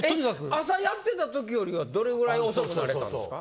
朝やってた時よりはどれぐらい遅くなったんですか？